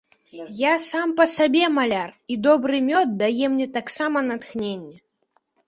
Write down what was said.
Я сам па сабе маляр, і добры мёд дае мне таксама натхненне.